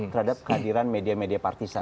terhadap kehadiran media media partisan